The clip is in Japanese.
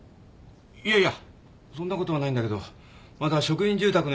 いやいやそんなことはないんだけどまだ職員住宅の用意